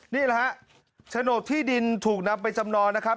นี่แหละฮะโฉนดที่ดินถูกนำไปจำนองนะครับ